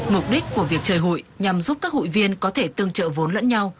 mục đích của việc chơi hụi nhằm giúp các hụi viên có thể tương trợ vốn lẫn nhau